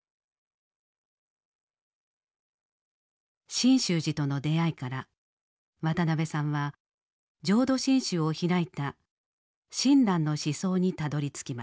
真宗寺との出会いから渡辺さんは浄土真宗を開いた親鸞の思想にたどりつきます。